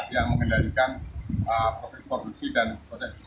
yang mengendalikan protek produksi dan protek distribusi